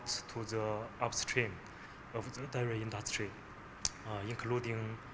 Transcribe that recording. contohnya support untuk industri industri yang berkelanjang